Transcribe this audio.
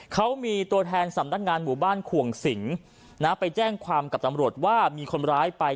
เขามีตัวแทนสำนักงานหมู่บ้านขวงสิงนะไปแจ้งความกับตำรวจว่ามีคนร้ายไป